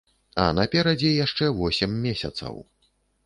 А наперадзе яшчэ восем месяцаў.